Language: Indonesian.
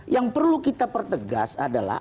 yang perlu kita pertegas adalah